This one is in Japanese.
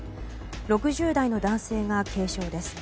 ６０代の男性が軽傷です。